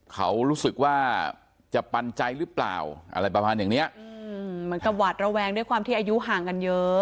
เขารู้สึกว่าจะปันใจหรือเปล่าอะไรประมาณอย่างเนี้ยอืมเหมือนกับหวาดระแวงด้วยความที่อายุห่างกันเยอะ